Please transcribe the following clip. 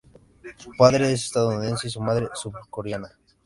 Su padre es estadounidense y su madre surcoreana.